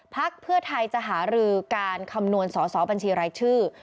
พักเพื่อไทยจะหารือการคำนวณสอสอบัญชีรายชื่อ